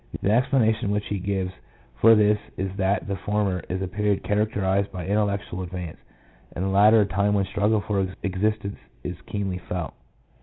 The explanation which he gives for this is that the former is a period characterised by intellectual advance, and the latter a time when the struggle for existence is most keenly felt.